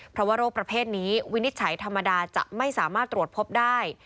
เพราะว่าโรคประเภทนี้วินิจฉัยธรรมดาจะไม่สามารถตรวจพบได้